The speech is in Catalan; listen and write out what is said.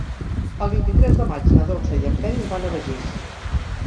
El vint-i-tres de maig na Dolça i en Peris van a Begís.